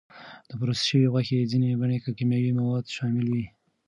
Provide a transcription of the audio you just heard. د پروسس شوې غوښې ځینې بڼې کې کیمیاوي مواد شامل وي.